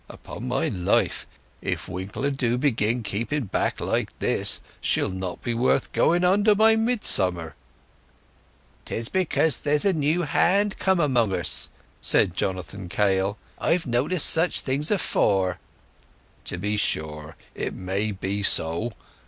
Upon my life, if Winker do begin keeping back like this, she'll not be worth going under by midsummer." "'Tis because there's a new hand come among us," said Jonathan Kail. "I've noticed such things afore." "To be sure. It may be so.